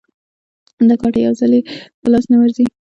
دا ګټه یو ځلي په لاس نه ورځي